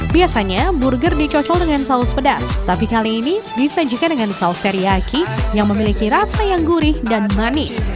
biasanya burger dicocol dengan saus pedas tapi kali ini disajikan dengan saus teriyaki yang memiliki rasa yang gurih dan manis